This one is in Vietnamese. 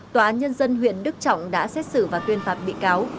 tòa nhân dân huyện đức trọng đã xét xử và tuyên phạm bị cáo